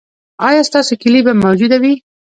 ایا ستاسو کیلي به موجوده وي؟